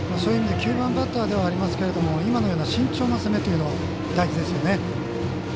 ９番バッターではありますが今のような慎重な攻めは大事ですね。